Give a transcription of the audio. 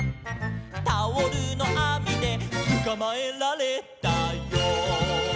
「タオルのあみでつかまえられたよ」